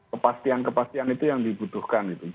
kepastian kepastian itu yang dibutuhkan